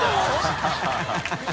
ハハハ